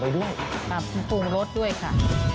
ปรับปรุงรสด้วยค่ะ